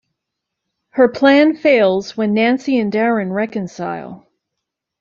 Her plan fails, when Nancy and Darren reconcile.